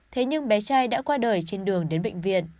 thế nhưng bé trai đã qua đời trên đường đến bệnh viện